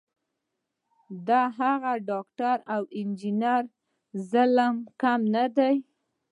د هغه ډاکټر او انجینر ظلم کم نه دی.